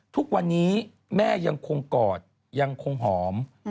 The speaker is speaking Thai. ทุกวันนี้แม่ยังคงกอดยังคงหอม